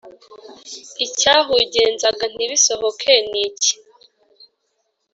Icyahugenzaga ntibisohoke niki?